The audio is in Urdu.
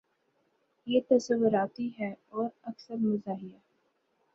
یہ تصوراتی ہے اور اکثر مزاحیہ